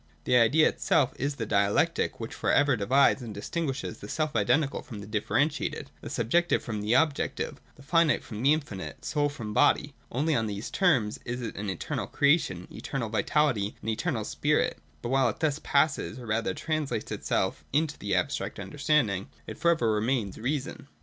The Idea itself is the dialectic which for ever divides and distinguishes the self identical from the differentiated, the subjective frr^m the objective, the finite from the infinite, soul from body. Only on these terms is it an eternal creation, eternal vitality, and eternal spirit. But while it thus passes or rather trans lates itself into the abstract understanding, it for ever remains reason.